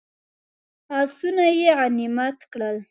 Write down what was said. آسونه یې غنیمت کړل.